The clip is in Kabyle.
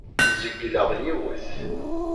Zegleɣ yiwet.